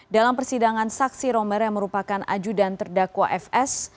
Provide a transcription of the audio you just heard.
dalam persidangan saksi romer yang merupakan ajudan terdakwa fs